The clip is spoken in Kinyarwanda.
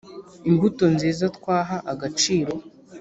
imbuto nziza twaha agaciro